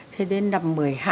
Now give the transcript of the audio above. thế đến năm một mươi hai